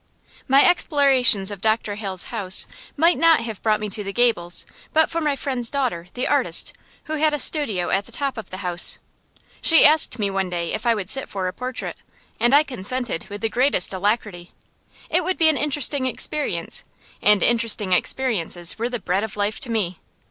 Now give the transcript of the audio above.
My explorations of Dr. Hale's house might not have brought me to the gables, but for my friend's daughter, the artist, who had a studio at the top of the house. She asked me one day if I would sit for a portrait, and I consented with the greatest alacrity. It would be an interesting experience, and interesting experiences were the bread of life to me.